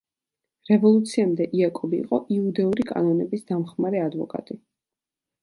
რევოლუციამდე იაკობი იყო იუდეური კანონების დამხმარე ადვოკატი.